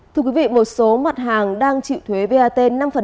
thưa quý vị một số mặt hàng đang chịu thuế vat năm